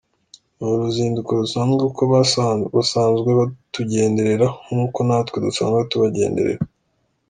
Ni uruzinduko rusanzwe kuko basanzwe batugenderera nk’uko natwe dusanzwe tubagenderera.